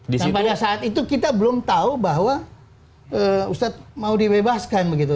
nah pada saat itu kita belum tahu bahwa ustadz mau dibebaskan begitu